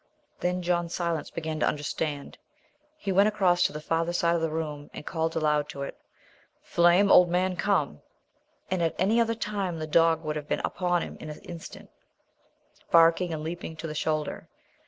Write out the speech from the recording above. Then John Silence began to understand. He went across to the farther side of the room and called aloud to it. "Flame, old man! come!" At any other time the dog would have been upon him in an instant, barking and leaping to the shoulder.